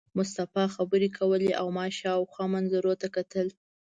مصطفی خبرې کولې او ما شاوخوا منظرو ته کتل.